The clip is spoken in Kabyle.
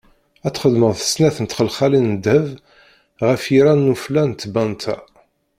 Ad txedmeḍ snat n txelxalin n ddheb ɣef yiran n ufella n tbanta.